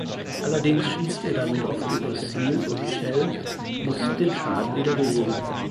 Allerdings schießt er damit oft übers Ziel und Michelle muss den Schaden wieder beheben.